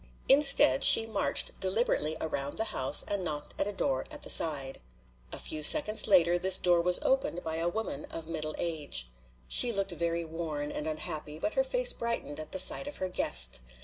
Instead she marched deliberately around the house and knocked at a door at the side. A few seconds after, this door was opened by a woman of middle age. She looked very worn and unhappy, but her face brightened at the sight of her guest.